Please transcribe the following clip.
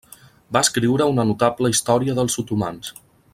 Va escriure una notable Història dels Otomans.